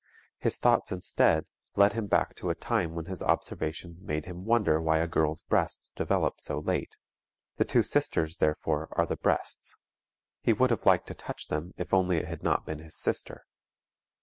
His thoughts instead lead him back to a time when his observations made him wonder why a girl's breasts develop so late. The two sisters, therefore, are the breasts. He would have liked to touch them if only it had not been his sister.